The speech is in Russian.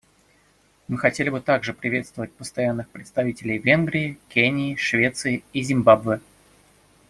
Мы хотели бы также приветствовать постоянных представителей Венгрии, Кении, Швеции и Зимбабве.